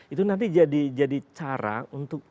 itu nanti jadi cara untuk